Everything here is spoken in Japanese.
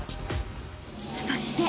［そして］